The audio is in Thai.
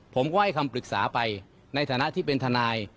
ผมก็ให้คำปรึกษาไปในฐานะที่เป็นทนาย